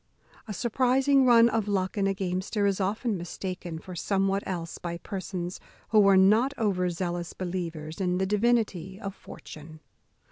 A surprizing run of luck in a gamester is often mistaken for somewhat else by persons who are not over zealous believers in the divinity of fortune.